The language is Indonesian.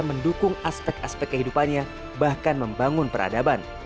mendukung aspek aspek kehidupannya bahkan membangun peradaban